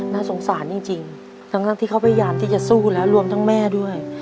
น่าสงสารจริงทั้งที่เขาพยายามที่จะสู้แล้วรวมทั้งแม่ด้วย